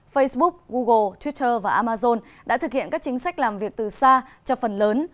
facebook google twitter và amazon đã thực hiện các chính sách làm việc từ xa cho phần lớn